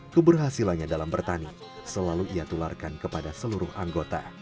keberhasilannya dalam bertani selalu ia tularkan kepada seluruh anggota